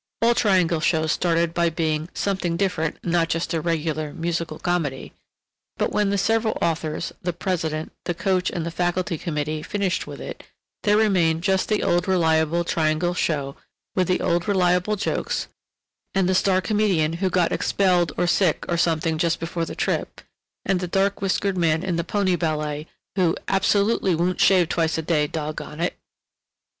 All Triangle shows started by being "something different—not just a regular musical comedy," but when the several authors, the president, the coach and the faculty committee finished with it, there remained just the old reliable Triangle show with the old reliable jokes and the star comedian who got expelled or sick or something just before the trip, and the dark whiskered man in the pony ballet, who "absolutely won't shave twice a day, doggone it!"